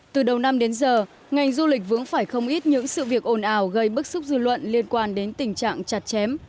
từ đầu năm đến giờ ngành du lịch vướng phải không ít những sự việc ồn ào gây bức xúc dư luận liên quan đến tình trạng chặt chém